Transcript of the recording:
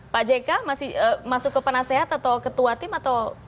pak jk masih masuk ke penasehat atau ketua tim atau